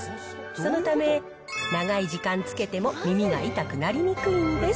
そのため、長い時間着けても耳が痛くなりにくいんです。